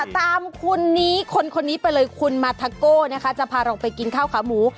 ตามคุณนี้คนนี้ไปเลยคุณมาทาโก้นะคะจะพาเราไปกินข้าวขาหมู